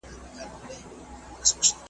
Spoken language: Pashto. چي دي کله نغری سوړ سي درک نه وي د خپلوانو ,